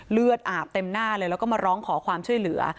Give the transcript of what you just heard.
เลือดอาบเต็มหน้าเลยแล้วก็มาร้องขอความช่วยเหลือ